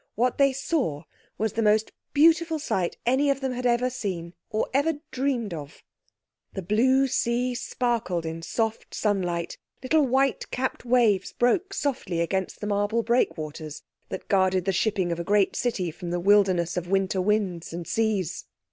What they saw was the most beautiful sight any of them had ever seen—or ever dreamed of. The blue sea sparkled in soft sunlight; little white capped waves broke softly against the marble breakwaters that guarded the shipping of a great city from the wilderness of winter winds and seas.